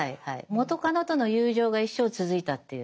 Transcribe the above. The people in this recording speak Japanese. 元カノとの友情が一生続いたっていう。